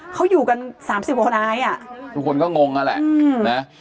เขาอยู่กันสามสิบวันไหนอ่ะทุกคนก็งงน่ะแหละอืมนะ